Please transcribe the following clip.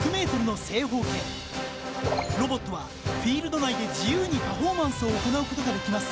ロボットはフィールド内で自由にパフォーマンスを行うことができます。